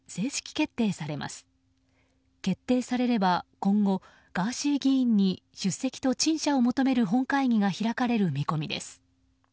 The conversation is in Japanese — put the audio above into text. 決定されれば今後ガーシー議員に出席と陳謝を求める本会議が開かれる見込みです。